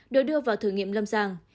được đưa vào thử nghiệm lâm sàng